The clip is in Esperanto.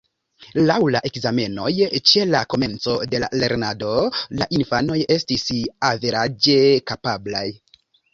Laŭ la ekzamenoj ĉe la komenco de la lernado la infanoj estis averaĝe kapablaj.